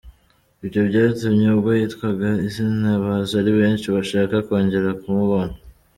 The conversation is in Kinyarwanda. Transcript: Ibyo byatumye ubwo yitwaga izina baza ari benshi bashaka kongera kumubona.